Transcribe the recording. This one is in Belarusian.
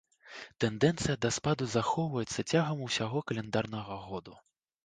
Тэндэнцыя да спаду захоўваецца цягам усяго каляндарнага году.